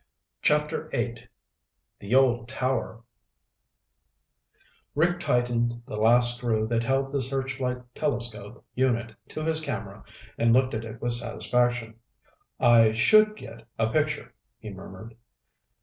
CHAPTER VIII The Old Tower Rick tightened the last screw that held the searchlight telescope unit to his camera and looked at it with satisfaction. "I should get a picture," he murmured.